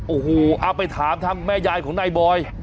โอ้โหอ้าวไปถามทำแม่ยายหลังทางในเลย